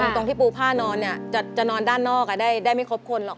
ตรงที่ปูผ้านอนเนี่ยจะนอนด้านนอกได้ไม่ครบคนหรอก